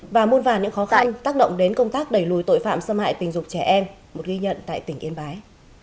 và muôn vàn những khó khăn tác động đến công tác đẩy lùi tội phạm xâm hại tình dục trẻ em một ghi nhận tại tỉnh yên bái